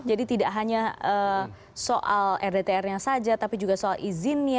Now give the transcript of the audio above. jadi tidak hanya soal rdtr nya saja tapi juga soal izinnya